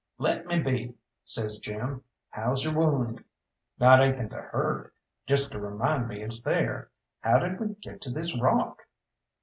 "Let me be," says Jim. "How's your wound?" "Not aching to hurt, just to remind me it's there. How did we get to this rock?"